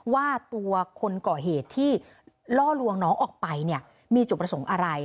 ว่าตัวคนก่อเหตุที่ล่อลวงน้องออกไปเนี่ยมีจุดประสงค์อะไร